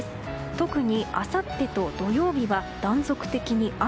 特に、あさってと土曜日は断続的に雨。